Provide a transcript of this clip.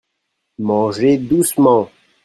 Mangez doucement.